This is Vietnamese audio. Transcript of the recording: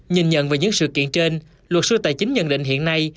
nhìn nhận về những sự kiện trên luật sư tài chính nhận định hiện nay